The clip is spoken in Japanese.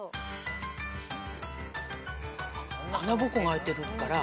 穴ぼこが開いてるから。